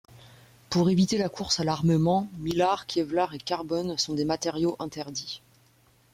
Pour éviter la course à l'armement, mylar, kevlar et carbone sont des matériaux interdits.